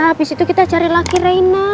habis itu kita cari laki reina